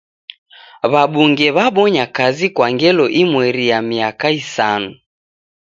W'abunge w'abonya kazi kwa ngelo imweri ya miaka misanu.